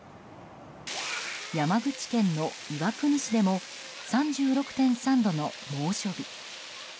山口県の岩国市でも３６．３度の猛暑日。